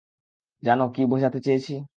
জানো কী বোঝাতে চেয়েছি?